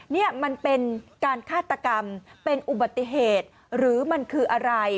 นี่มันเป็นการฆาตกรรมเป็นอุบัติเหตุหรือมันคืออะไร